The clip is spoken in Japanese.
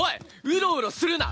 ウロウロするな！